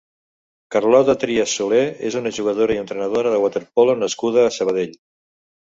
Carlota Trias Solé és una jugadora i entrenadora de waterpolo nascuda a Sabadell.